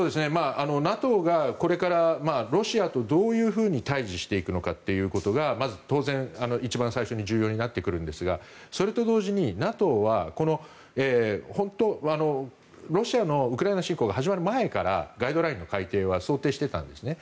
ＮＡＴＯがこれからロシアとどういうふうに対峙していくのかということが当然、まず一番最初に重要になってくるんですがそれと同時にＮＡＴＯはロシアのウクライナ侵攻が始まる前からガイドラインの改定は想定していたんですね。